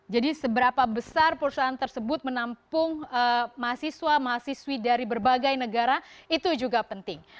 jadi seberapa besar perusahaan tersebut menampung mahasiswa mahasiswi dari berbagai negara itu juga penting